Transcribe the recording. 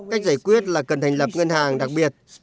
cách giải quyết là cần thành lập ngân hàng đặc biệt